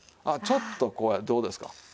あっちょっとどうですか？